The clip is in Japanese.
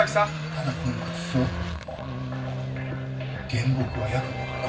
ただこの仏像原木は約５０年前のもの。